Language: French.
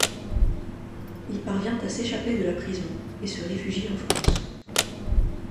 Il parvient à s'échapper de la prison et se réfugie en France.